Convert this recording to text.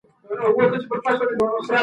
د نورو خبرې یوازې د معلوماتو لپاره دي.